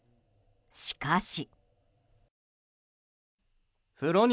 しかし。